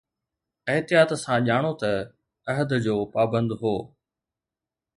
احتياط سان ڄاڻو ته عهد جو پابند هو